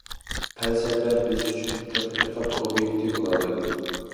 پەلسەپە بىز ئۈچۈن تەتقىقات ئوبيېكتى بولالايدۇ.